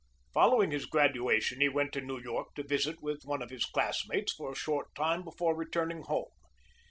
Following his graduation he went to New York to visit with one of his classmates for a short time before returning home.